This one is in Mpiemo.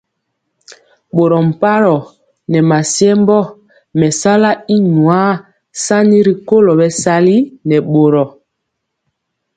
Boro pmaroo nɛ masiembö mesala y nyuar sani rikolo bɛsali nɛ boro.